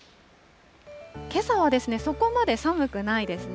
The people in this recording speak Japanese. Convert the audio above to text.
けさはそこまで寒くないですね。